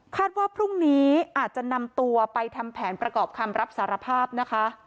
ว่าพรุ่งนี้อาจจะนำตัวไปทำแผนประกอบคำรับสารภาพนะคะ